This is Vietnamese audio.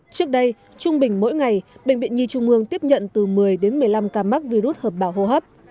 trước đây trung bình mỗi ngày bệnh viện nhi trung ương tiếp nhận từ một mươi đến một mươi năm ca mắc virus hợp bào hô hấp